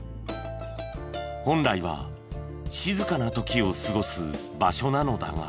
本来は静かな時を過ごす場所なのだが。